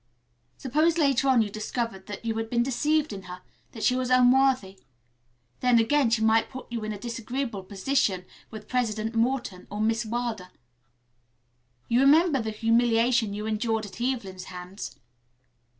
Suppose later on you discovered that you had been deceived in her, that she was unworthy. Then, again, she might put you in a disagreeable position with President Morton or Miss Wilder. You remember the humiliation you endured at Evelyn's hands.